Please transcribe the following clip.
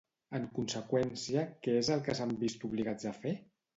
En conseqüència, què és el que s'han vist obligats a fer?